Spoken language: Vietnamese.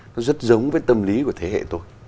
nó rất giống với tâm lý của thế hệ tôi